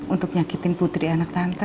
untuk nyakitin putri anak tante